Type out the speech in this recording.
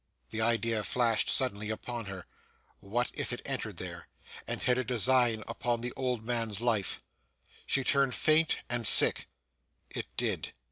The idea flashed suddenly upon her what if it entered there, and had a design upon the old man's life! She turned faint and sick. It did.